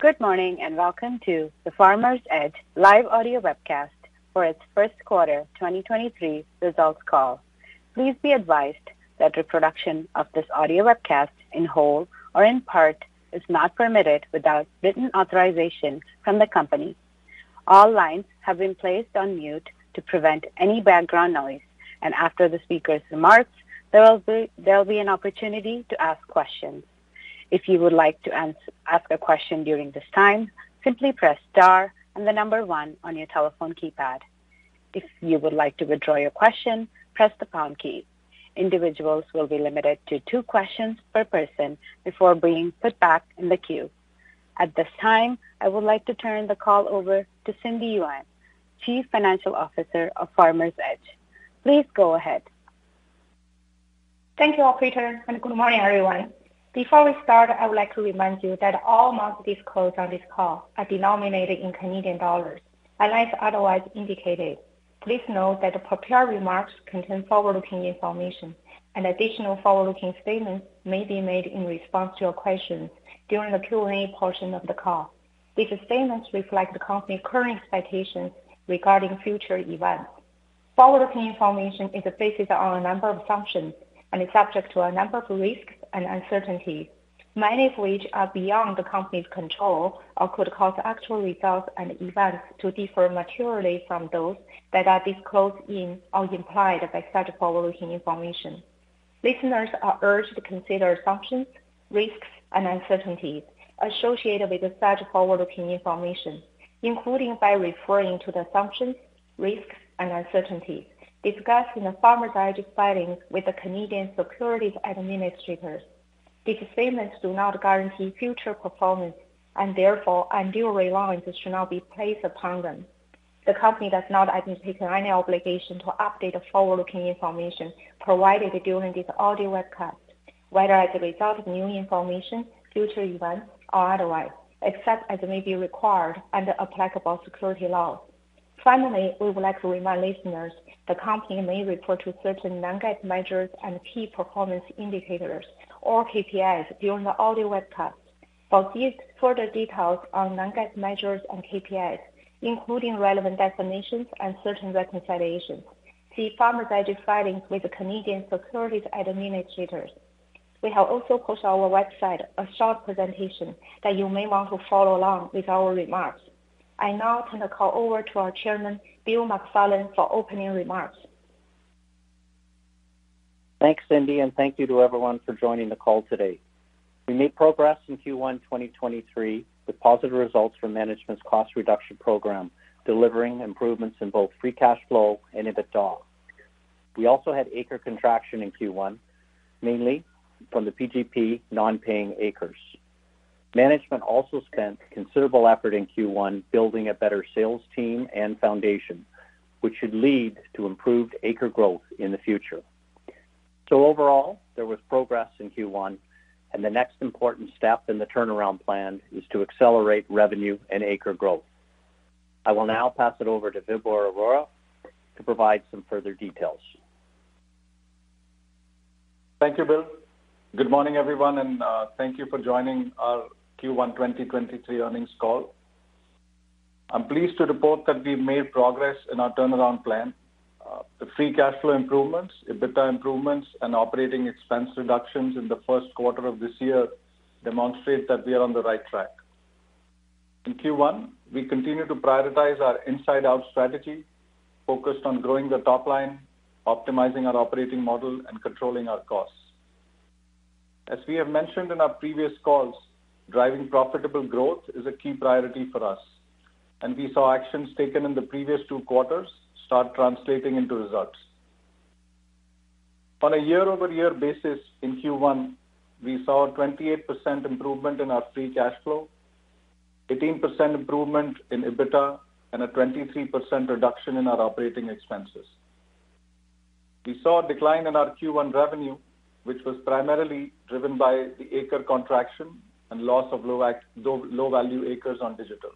Good morning, welcome to the Farmers Edge live audio webcast for its first quarter 2023 results call. Please be advised that the production of this audio webcast in whole or in part is not permitted without written authorization from the company. All lines have been placed on mute to prevent any background noise. After the speaker's remarks, there will be an opportunity to ask questions. If you would like to ask a question during this time, simply press star 1 on your telephone keypad. If you would like to withdraw your question, press the pound key. Individuals will be limited to two questions per person before being put back in the queue. At this time, I would like to turn the call over to Cindy Yuan, Chief Financial Officer of Farmers Edge. Please go ahead. Thank you, operator. Good morning, everyone. Before we start, I would like to remind you that all amounts disclosed on this call are denominated in Canadian dollars unless otherwise indicated. Please note that the prepared remarks contain forward-looking information. Additional forward-looking statements may be made in response to your questions during the Q&A portion of the call. These statements reflect the company's current expectations regarding future events. Forward-looking information is based on a number of assumptions and is subject to a number of risks and uncertainties, many of which are beyond the company's control or could cause actual results and events to differ materially from those that are disclosed in or implied by such forward-looking information. Listeners are urged to consider assumptions, risks, and uncertainties associated with such forward-looking information, including by referring to the assumptions, risks, and uncertainties discussed in Farmers Edge filings with the Canadian Securities Administrators. These statements do not guarantee future performance, and therefore, undue reliance should not be placed upon them. The company does not undertake any obligation to update forward-looking information provided during this audio webcast, whether as a result of new information, future events or otherwise, except as may be required under applicable security laws. Finally, we would like to remind listeners the company may report to certain non-GAAP measures and key performance indicators or KPIs during the audio webcast. For these further details on non-GAAP measures and KPIs, including relevant definitions and certain reconciliations, see Farmers Edge filings with the Canadian Securities Administrators. We have also posted on our website a short presentation that you may want to follow along with our remarks. I now turn the call over to our Chairman, Bill McFarland, for opening remarks. Thanks, Cindy, and thank you to everyone for joining the call today. We made progress in Q1 2023 with positive results from management's cost reduction program, delivering improvements in both free cash flow and EBITDA. We also had acre contraction in Q1, mainly from the PGP non-paying acres. Management also spent considerable effort in Q1 building a better sales team and foundation, which should lead to improved acre growth in the future. Overall, there was progress in Q1, and the next important step in the turnaround plan is to accelerate revenue and acre growth. I will now pass it over to Vibhore Arora to provide some further details. Thank you, Bill. Good morning, everyone, thank you for joining our Q1 2023 earnings call. I'm pleased to report that we've made progress in our turnaround plan. The free cash flow improvements, EBITDA improvements, and operating expense reductions in the first quarter of this year demonstrate that we are on the right track. In Q1, we continued to prioritize our inside-out strategy focused on growing the top line, optimizing our operating model, and controlling our costs. As we have mentioned in our previous calls, driving profitable growth is a key priority for us, and we saw actions taken in the previous two quarters start translating into results. On a year-over-year basis in Q1, we saw a 28% improvement in our free cash flow, 18% improvement in EBITDA, and a 23% reduction in our operating expenses. We saw a decline in our Q1 revenue, which was primarily driven by the acre contraction and loss of low value acres on digital.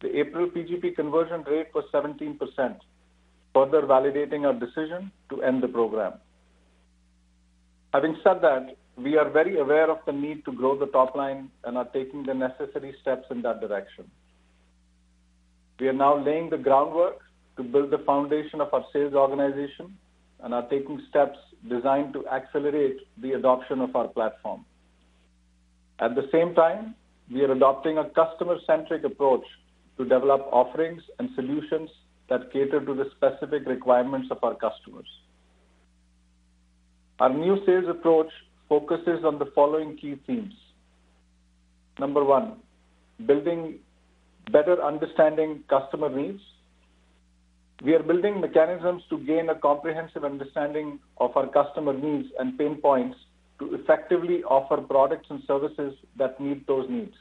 The April PGP conversion rate was 17%, further validating our decision to end the program. Having said that, we are very aware of the need to grow the top line and are taking the necessary steps in that direction. We are now laying the groundwork to build the foundation of our sales organization and are taking steps designed to accelerate the adoption of our platform. At the same time, we are adopting a customer-centric approach to develop offerings and solutions that cater to the specific requirements of our customers. Our new sales approach focuses on the following key themes. Number one, building better understanding customer needs. We are building mechanisms to gain a comprehensive understanding of our customer needs and pain points to effectively offer products and services that meet those needs.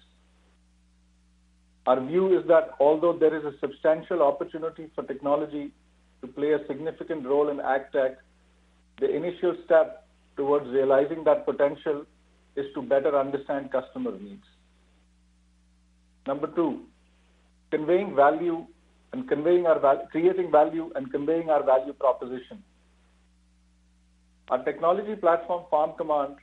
Number 2, conveying value and creating value and conveying our value proposition. Our technology platform, FarmCommand,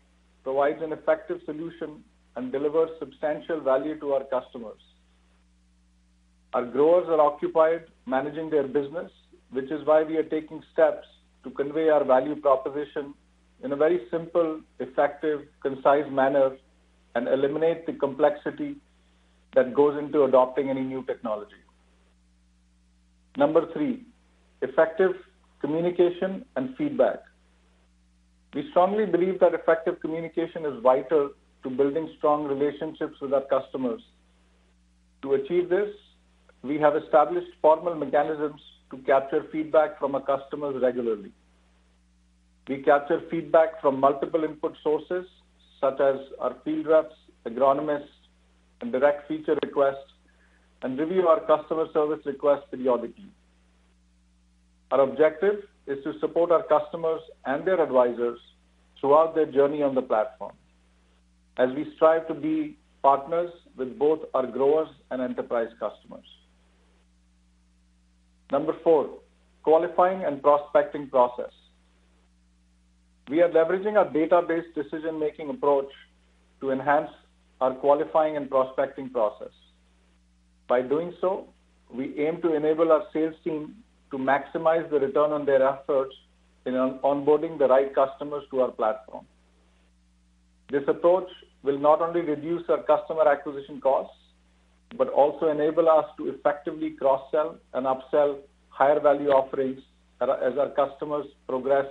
provides an effective solution and delivers substantial value to our customers. Our growers are occupied managing their business, which is why we are taking steps to convey our value proposition in a very simple, effective, concise manner and eliminate the complexity that goes into adopting any new technology. Number 3, effective communication and feedback. We strongly believe that effective communication is vital to building strong relationships with our customers. To achieve this, we have established formal mechanisms to capture feedback from our customers regularly. We capture feedback from multiple input sources, such as our field reps, agronomists, and direct feature requests, and review our customer service requests periodically. Our objective is to support our customers and their advisors throughout their journey on the platform as we strive to be partners with both our growers and enterprise customers. Number 4, qualifying and prospecting process. We are leveraging our database decision-making approach to enhance our qualifying and prospecting process. By doing so, we aim to enable our sales team to maximize the return on their efforts in onboarding the right customers to our platform. This approach will not only reduce our customer acquisition costs, but also enable us to effectively cross-sell and upsell higher value offerings as our customers progress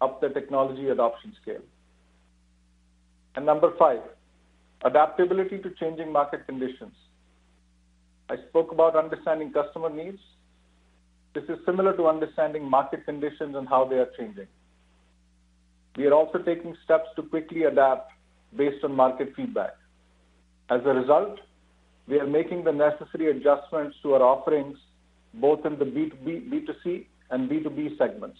up the technology adoption scale. Number five, adaptability to changing market conditions. I spoke about understanding customer needs. This is similar to understanding market conditions and how they are changing. We are also taking steps to quickly adapt based on market feedback. As a result, we are making the necessary adjustments to our offerings, both in the B2C and B2B segments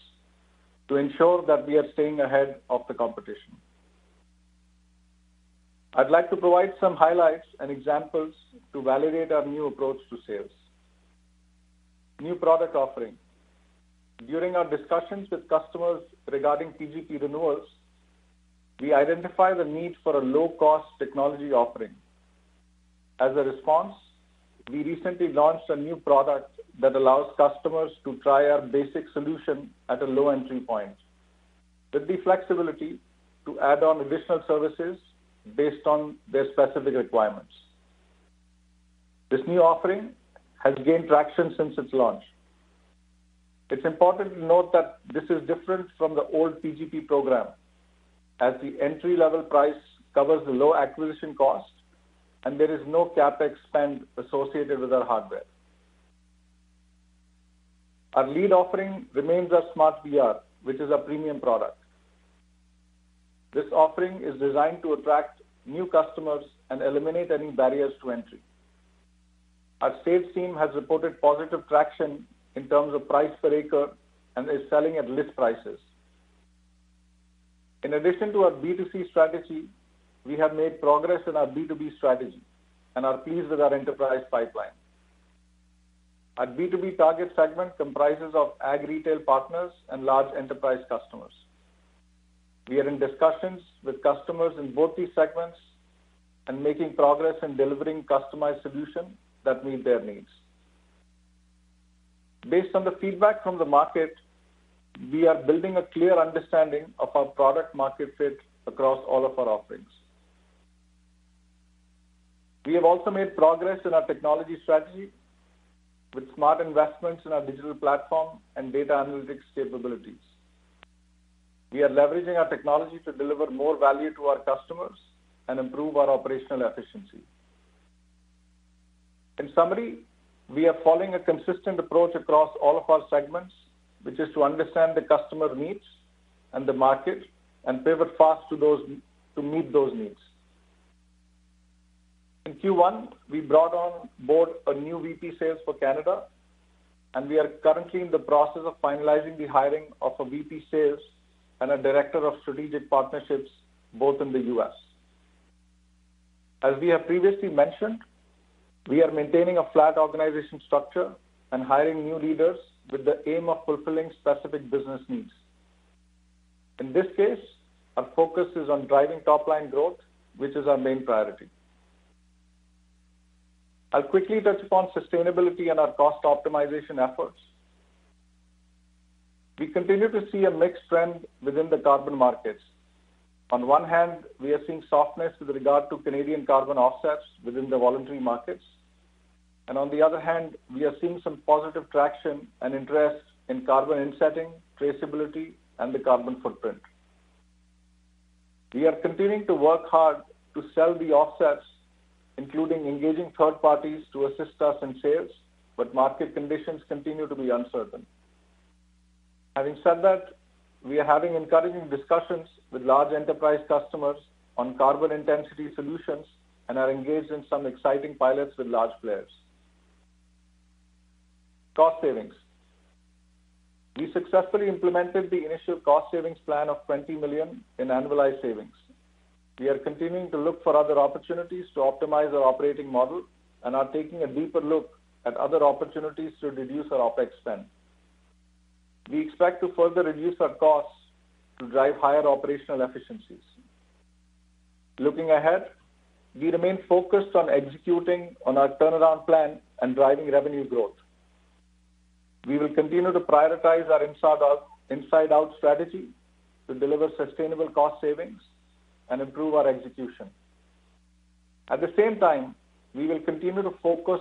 to ensure that we are staying ahead of the competition. I'd like to provide some highlights and examples to validate our new approach to sales. New product offering. During our discussions with customers regarding PGP renewals, we identified the need for a low-cost technology offering. Response, we recently launched a new product that allows customers to try our basic solution at a low entry point with the flexibility to add on additional services based on their specific requirements. This new offering has gained traction since its launch. It's important to note that this is different from the old PGP program, as the entry-level price covers the low acquisition cost and there is no CapEx spend associated with our hardware. Our lead offering remains our Smart VR, which is a premium product. This offering is designed to attract new customers and eliminate any barriers to entry. Our sales team has reported positive traction in terms of price per acre and is selling at list prices. In addition to our B2C strategy, we have made progress in our B2B strategy and are pleased with our enterprise pipeline. Our B2B target segment comprises of ag retail partners and large enterprise customers. We are in discussions with customers in both these segments and making progress in delivering customized solutions that meet their needs. Based on the feedback from the market, we are building a clear understanding of our product market fit across all of our offerings. We have also made progress in our technology strategy with smart investments in our digital platform and data analytics capabilities. We are leveraging our technology to deliver more value to our customers and improve our operational efficiency. We are following a consistent approach across all of our segments, which is to understand the customer needs and the market and pivot fast to meet those needs. Q1, we brought on board a new VP sales for Canada, and we are currently in the process of finalizing the hiring of a VP sales and a director of strategic partnerships, both in the U.S. As we have previously mentioned, we are maintaining a flat organization structure and hiring new leaders with the aim of fulfilling specific business needs. In this case, our focus is on driving top-line growth, which is our main priority. I'll quickly touch upon sustainability and our cost optimization efforts. We continue to see a mixed trend within the carbon markets. On one hand, we are seeing softness with regard to Canadian carbon offsets within the voluntary markets. On the other hand, we are seeing some positive traction and interest in carbon insetting, traceability, and the carbon footprint. We are continuing to work hard to sell the offsets, including engaging third parties to assist us in sales, but market conditions continue to be uncertain. Having said that, we are having encouraging discussions with large enterprise customers on carbon intensity solutions and are engaged in some exciting pilots with large players. Cost savings. We successfully implemented the initial cost savings plan of 20 million in annualized savings. We are continuing to look for other opportunities to optimize our operating model and are taking a deeper look at other opportunities to reduce our OpEx spend. We expect to further reduce our costs to drive higher operational efficiencies. Looking ahead, we remain focused on executing on our turnaround plan and driving revenue growth. We will continue to prioritize our inside-out strategy to deliver sustainable cost savings and improve our execution. At the same time, we will continue to focus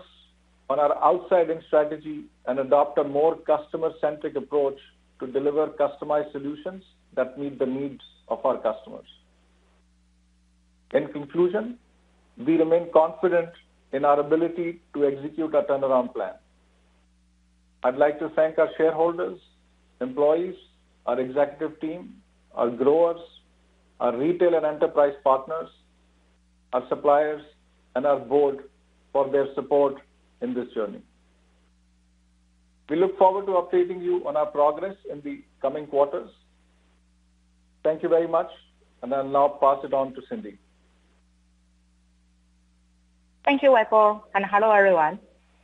on our outside-in strategy and adopt a more customer-centric approach to deliver customized solutions that meet the needs of our customers. In conclusion, we remain confident in our ability to execute our turnaround plan. I'd like to thank our shareholders, employees, our executive team, our growers, our retail and enterprise partners, our suppliers, and our board for their support in this journey. We look forward to updating you on our progress in the coming quarters. Thank you very much, and I'll now pass it on to Cindy. Thank you, Vibhore, and hello, everyone.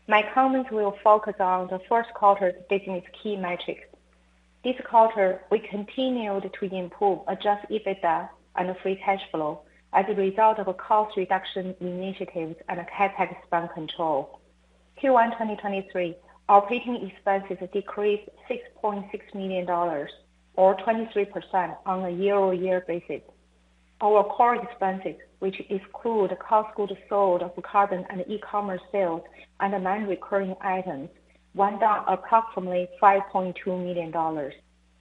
My comments will focus on the first quarter business key metrics. This quarter, we continued to improve adjusted EBITDA and free cash flow as a result of cost reduction initiatives and CapEx spend control. Q1 2023, operating expenses decreased 6.6 million dollars or 23% on a year-over-year basis. Our core expenses, which exclude cost goods sold of carbon and e-commerce sales and the non-recurring items, went down approximately 5.2 million dollars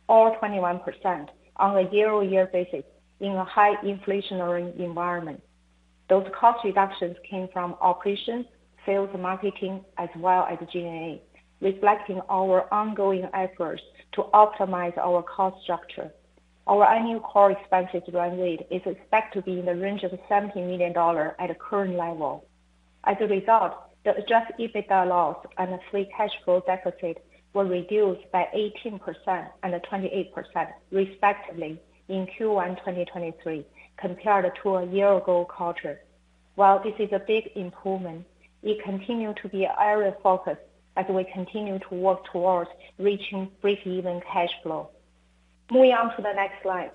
or 21% on a year-over-year basis in a high inflationary environment. Those cost reductions came from operations, sales and marketing, as well as G&A, reflecting our ongoing efforts to optimize our cost structure. Our annual core expenses run rate is expected to be in the range of 70 million dollar at current level. As a result, the adjusted EBITDA loss and free cash flow deficit were reduced by 18% and 28% respectively in Q1 2023 compared to a year-ago quarter. While this is a big improvement, we continue to be highly focused as we continue to work towards reaching breakeven cash flow. Moving on to the next slide.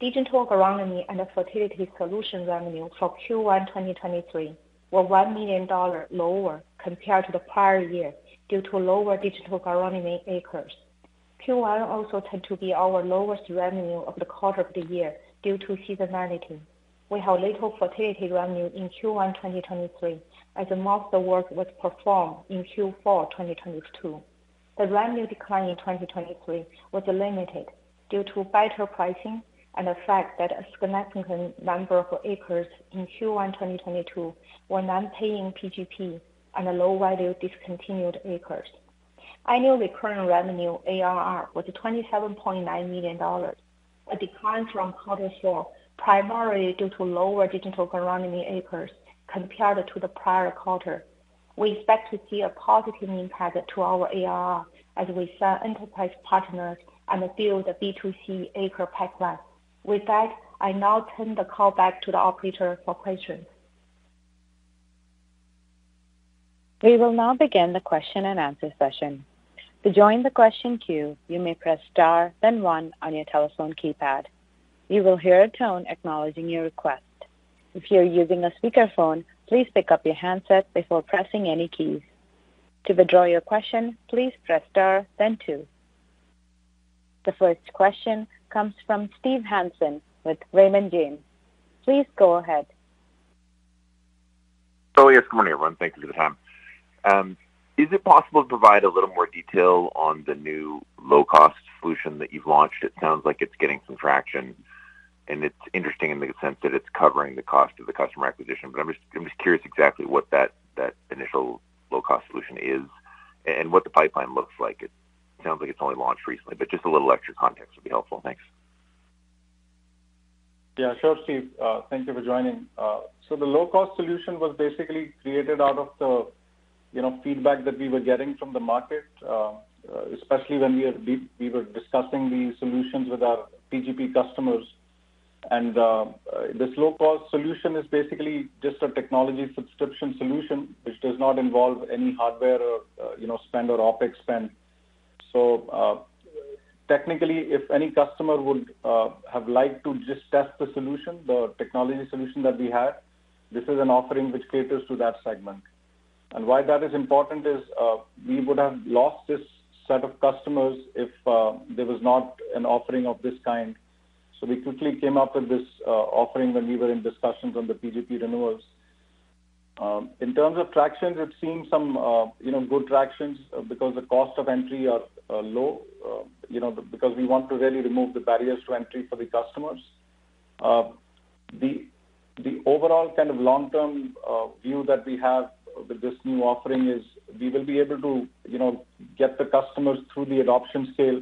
Digital agronomy and fertility solutions revenue for Q1 2023 were 1 million dollars lower compared to the prior year due to lower digital agronomy acres. Q1 also tend to be our lowest revenue of the quarter of the year due to seasonality. We have little fertility revenue in Q1 2023 as most of the work was performed in Q4 2022. The revenue decline in 2023 was limited due to better pricing and the fact that a significant number of acres in Q1 2022 were non-paying PGP and low value discontinued acres. Annual recurring revenue, ARR, was 27.9 million dollars, a decline from Q4, primarily due to lower digital agronomy acres compared to the prior quarter. We expect to see a positive impact to our ARR as we sell enterprise partners and build the B2C acre pipeline. With that, I now turn the call back to the operator for questions. We will now begin the question-and-answer session. To join the question queue, you may press star then one on your telephone keypad. You will hear a tone acknowledging your request. If you're using a speakerphone, please pick up your handset before pressing any keys. To withdraw your question, please press star then two. The first question comes from Steve Hansen with Raymond James. Please go ahead. Yes, good morning, everyone. Thank you for the time. Is it possible to provide a little more detail on the new low-cost solution that you've launched? It sounds like it's getting some traction, and it's interesting in the sense that it's covering the cost of the customer acquisition. I'm just curious exactly what that initial low-cost solution is and what the pipeline looks like. It sounds like it's only launched recently, but just a little extra context would be helpful. Thanks. Yeah, sure, Steve. Thank you for joining. The low-cost solution was basically created out of the, you know, feedback that we were getting from the market, especially when we were discussing these solutions with our PGP customers. This low-cost solution is basically just a technology subscription solution which does not involve any hardware or, you know, spend or OpEx spend. Technically, if any customer would have liked to just test the solution, the technology solution that we have, this is an offering which caters to that segment. Why that is important is, we would have lost this set of customers if there was not an offering of this kind. We quickly came up with this offering when we were in discussions on the PGP renewals. In terms of traction, we've seen some, you know, good tractions because the cost of entry are low, you know, because we want to really remove the barriers to entry for the customers. The overall kind of long-term, view that we have with this new offering is we will be able to, you know, get the customers through the adoption scale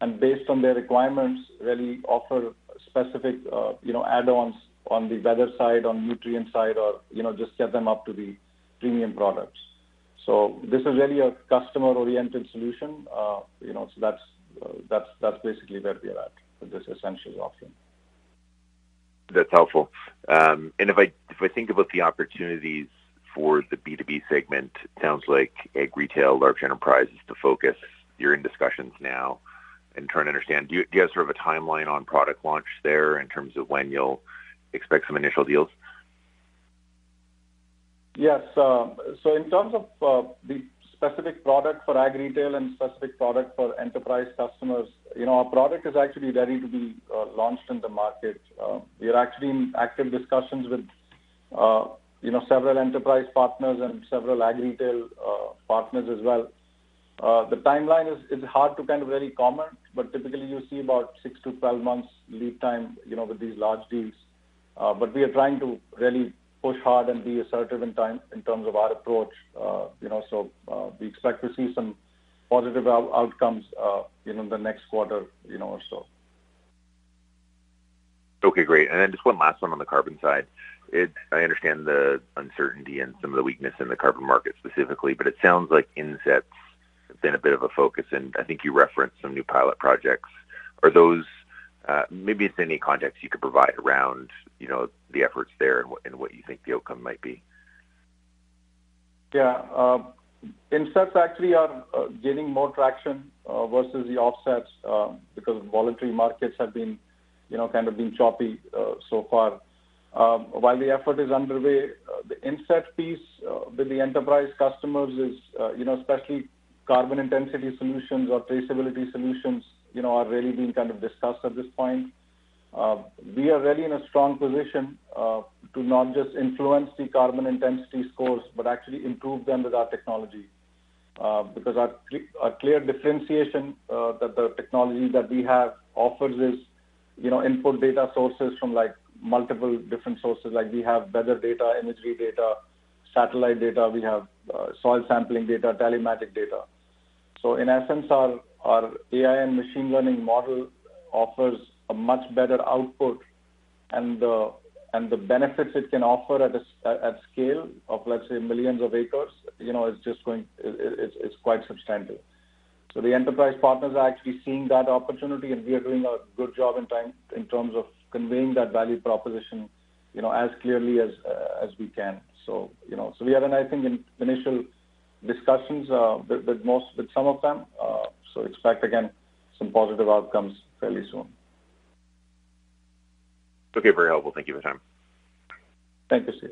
and based on their requirements, really offer specific, you know, add-ons on the weather side, on nutrient side or, you know, just set them up to the premium products. This is really a customer-oriented solution. you know, so that's basically where we are at with this Essentials offering. That's helpful. If I, if I think about the opportunities for the B2B segment, sounds like ag retail, large enterprise is the focus. You're in discussions now and trying to understand. Do you have sort of a timeline on product launch there in terms of when you'll expect some initial deals? Yes. In terms of the specific product for ag retail and specific product for enterprise customers, you know, our product is actually ready to be launched in the market. We are actually in active discussions with, you know, several enterprise partners and several ag retail partners as well. The timeline is hard to kind of really comment, but typically you see about six-12 months lead time, you know, with these large deals. We are trying to really push hard and be assertive in terms of our approach. You know, we expect to see some positive outcomes, you know, in the next quarter, you know, or so. Okay, great. Then just one last one on the carbon side. I understand the uncertainty and some of the weakness in the carbon market specifically. It sounds like insets have been a bit of a focus, I think you referenced some new pilot projects. Are those, maybe it's any context you could provide around, you know, the efforts there and what you think the outcome might be? Yeah. Insets actually are gaining more traction versus the offsets, because voluntary markets have been, you know, kind of been choppy so far. While the effort is underway, the inset piece with the enterprise customers is, you know, especially carbon intensity solutions or traceability solutions, you know, are really being kind of discussed at this point. We are really in a strong position to not just influence the carbon intensity scores but actually improve them with our technology. Because our clear differentiation that the technology that we have offers is, you know, input data sources from like multiple different sources. Like we have weather data, imagery data, satellite data. We have soil sampling data, telematic data. In essence, our AI and machine learning model offers a much better output and the benefits it can offer at scale of, let's say, millions of acres, you know, is just going, it's quite substantial. The enterprise partners are actually seeing that opportunity, and we are doing a good job in terms of conveying that value proposition, you know, as clearly as we can. You know, we are in, I think in initial discussions with most, with some of them. Expect again, some positive outcomes fairly soon. Okay. Very helpful. Thank you for your time. Thank you, Steve.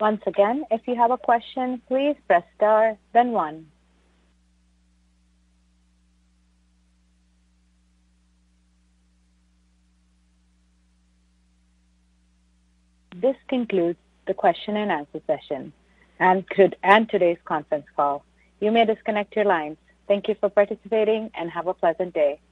Once again, if you have a question, please press star then one. This concludes the question and answer session and could end today's conference call. You may disconnect your lines. Thank you for participating and have a pleasant day.